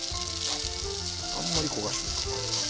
あんまり焦がしても。